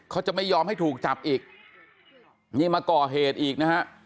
เขาจะไม่ยอมให้ถูกจับอีกนี่มาก่อเหตุอีกนะฮะ